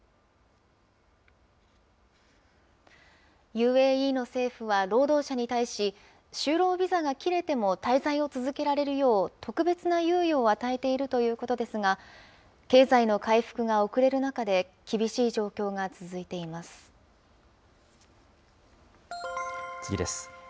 ＵＡＥの政府は、労働者に対し、就労ビザが切れても滞在を続けられるよう、特別な猶予を与えているということですが、経済の回復が遅れる中次です。